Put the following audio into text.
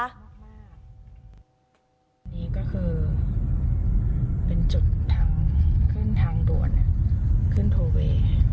อันนี้ก็คือเป็นจุดทั้งขึ้นทางด่วนขึ้นโทเวย์